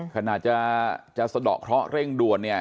ขนาดจะสะดอกเคราะห์เร่งด่วนเนี่ย